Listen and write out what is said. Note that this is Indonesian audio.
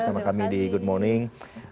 bersama kami di good morning